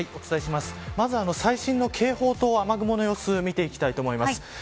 まず最新の警報と雨雲の様子を見ていきます。